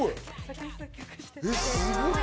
すごい！